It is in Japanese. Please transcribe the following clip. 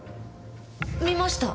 見ました。